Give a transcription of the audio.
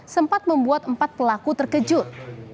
sempat membuat empat pelaku terkejut